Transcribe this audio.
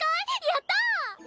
やった！